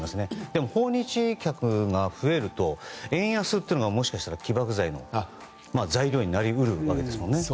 でも、訪日客が増えると円安というのがもしかしたら起爆剤の材料になり得るわけですよね。